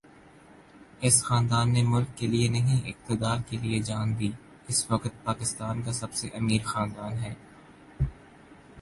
اس خاندان نے ملک کے لیے نہیں اقتدار کے لیے جان دی اس وقت پاکستان کا سب سے امیر خاندان ہے